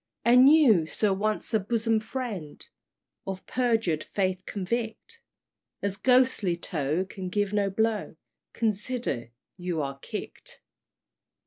"And you, Sir once a bosom friend Of perjured faith convict, As ghostly toe can give no blow, Consider you are kick'd.